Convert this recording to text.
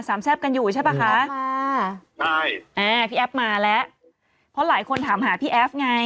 แซ่บกันอยู่ใช่ป่ะคะอ่าไม่อ่าพี่แอฟมาแล้วเพราะหลายคนถามหาพี่แอฟไง